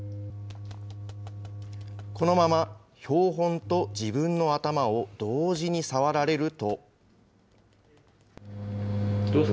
このまま、標本と自分の頭を同時に触られると。